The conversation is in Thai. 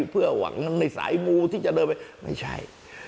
เพื่อหวังในสายมูที่จะเดินไปไม่ใช่